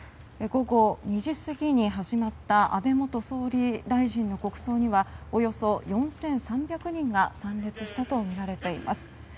午後２時過ぎに始まった安倍元総理大臣の国葬にはおよそ４３００人が参列したとみられています。